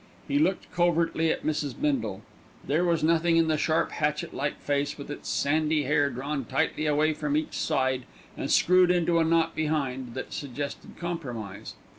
He looked covertly at Mrs. Bindle. There was nothing in the sharp hatchet like face, with its sandy hair drawn tightly away from each side and screwed into a knot behind, that suggested compromise.